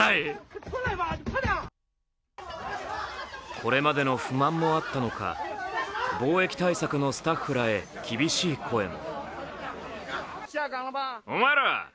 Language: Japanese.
これまでの不満もあったのか防疫対策のスタッフらへ厳しい声も。